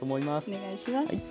お願いします。